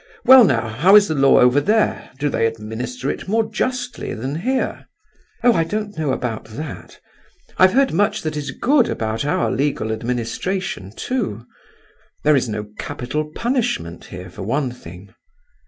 Well now, how is the law over there, do they administer it more justly than here?" "Oh, I don't know about that! I've heard much that is good about our legal administration, too. There is no capital punishment here for one thing."